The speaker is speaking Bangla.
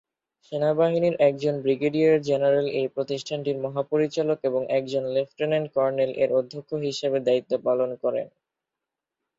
সেনাবাহিনীর একজন ব্রিগেডিয়ার জেনারেল এই প্রতিষ্ঠানটির মহাপরিচালক এবং একজন লেফটেন্যান্ট কর্নেল এর অধ্যক্ষ হিসেবে দায়িত্ব পালন করেন।